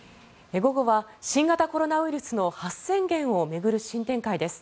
午後は新型コロナウイルスの発生源を巡る新展開です。